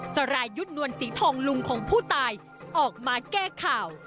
สรายุทธ์นวลสีทองลุงของผู้ตายออกมาแก้ข่าว